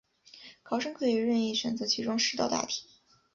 考生可以任意选择其中十道大题